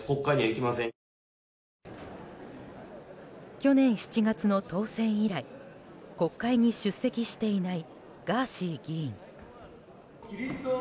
去年７月の当選以来国会に出席していないガーシー議員。